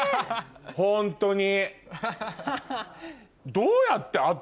ホントに。